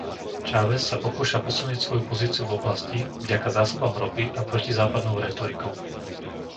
Chávez sa pokúša posilniť svoju pozíciu v oblasti vďaka zásobám ropy a protizápadnou rétorikou.